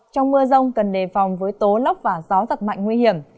trong mưa rông cần đề phòng với tố lóc và gió rất mạnh nguy hiểm